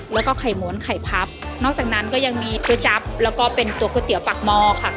แล้วก็ไข่ม้วนไข่พับนอกจากนั้นก็ยังมีก๋วยจั๊บแล้วก็เป็นตัวก๋วยเตี๋ยวปากหม้อค่ะ